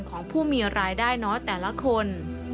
ของผู้มีรายได้น้อยแต่ละคน